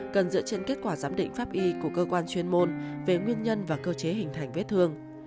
cần dựa trên kết quả giám định pháp y của cơ quan chuyên môn về nguyên nhân và cơ chế hình thành vết thương